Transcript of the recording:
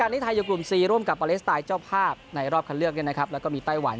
นะครับและก็มีไต้หวัน